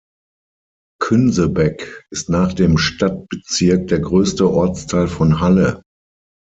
Künsebeck ist nach dem Stadtbezirk der größte Ortsteil von Halle.